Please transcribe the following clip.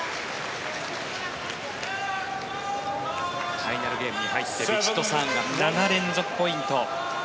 ファイナルゲームに入ってヴィチットサーンが７連続ポイント。